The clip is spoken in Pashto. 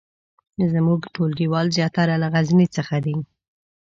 زمونږ ټولګیوال زیاتره له غزني څخه دي